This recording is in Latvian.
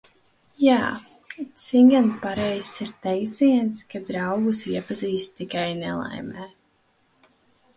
Jā, cik gan pareizs ir teiciens, ka draugus iepazīst tikai nelaimē.